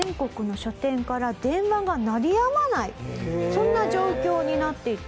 そんな状況になっていったと。